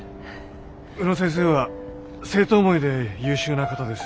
宇野先生は生徒思いで優秀な方です。